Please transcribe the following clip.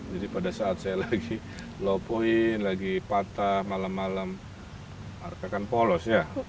jadi pada saat saya lagi low point lagi patah malam malam arka kan polos ya